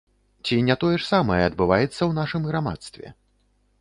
Ці не тое ж самае адбываецца ў нашым грамадстве?